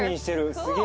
すげえ。